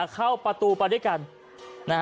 เข้าประตูไปด้วยกัน